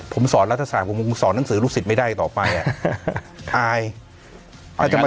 ผมสอนรัฐสรรค์ผมสอนหนังสือรูปสิทธิ์ไม่ได้ต่อไปอ่ะอายอาจจะ